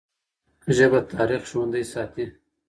ژبه تاریخ ژوندی ساتي.